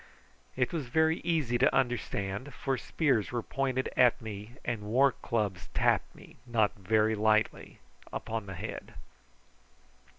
It was very easy to understand, for spears were pointed at me and war clubs tapped me not very lightly upon the head.